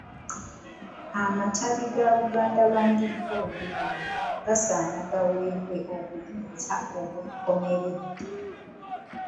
Amatabi ga Buganda Land Board gonna gasaana gaweebwe obuyinza obw'enkomeredde.